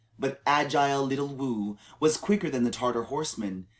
But agile little, Woo was quicker than the Tartar horseman.